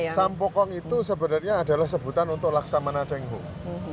jadi sampokong itu sebenarnya adalah sebutan untuk laksamana cenggung